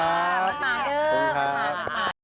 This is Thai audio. ขอบคุณครับ